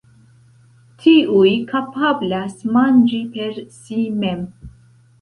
Tiuj kapablas manĝi per si mem.